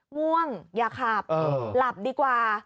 ง่วงอย่าขับหลับดีกว่า